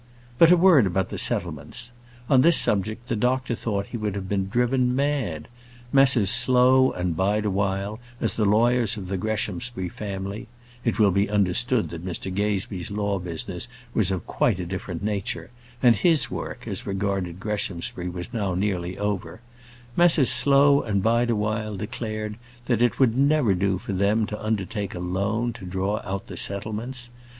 But a word about the settlements. On this subject the doctor thought he would have been driven mad. Messrs Slow & Bideawhile, as the lawyers of the Greshamsbury family it will be understood that Mr Gazebee's law business was of quite a different nature, and his work, as regarded Greshamsbury, was now nearly over Messrs Slow & Bideawhile declared that it would never do for them to undertake alone to draw out the settlements.